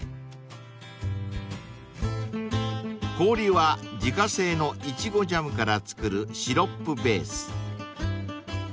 ［氷は自家製のイチゴジャムから作るシロップベース］